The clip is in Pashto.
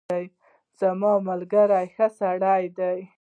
زما ملګری ښه سړی دی.